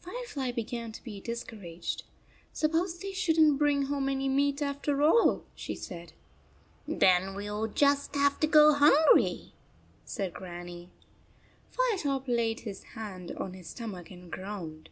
Fire fly began to be discouraged ." Suppose they should n t bring home any meat after all," she said. "Then we ll just have to go hungry," said Grannie. Firetop laid his hand on his stomach and groaned.